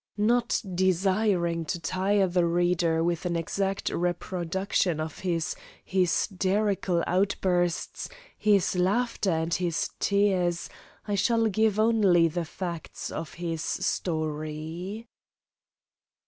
Not desiring to tire the reader with an exact reproduction of his hysterical outbursts, his laughter and his tears, I shall give only the facts of his story.